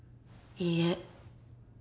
いいえ。